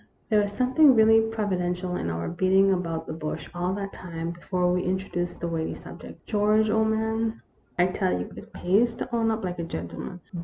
" There was something really providential in our beating about the bush all that time before we in troduced the weighty subject. George, old man, I tell you it pays to own up like a gentleman.